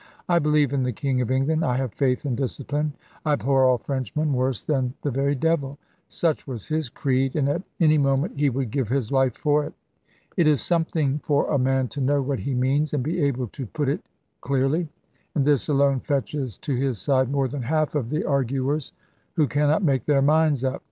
"I believe in the King of England; I have faith in discipline; I abhor all Frenchmen worse than the very devil." Such was his creed; and at any moment he would give his life for it. It is something for a man to know what he means, and be able to put it clearly; and this alone fetches to his side more than half of the arguers who cannot make their minds up.